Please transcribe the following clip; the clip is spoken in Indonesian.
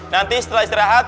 nanti setelah istirahat